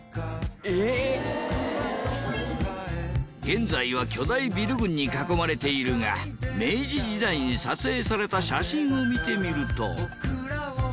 現在は巨大ビル群に囲まれているが明治時代に撮影された写真を見てみると。